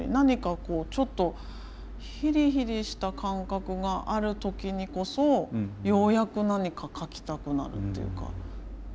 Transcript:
こうちょっとヒリヒリした感覚がある時にこそようやく何か書きたくなるっていうか。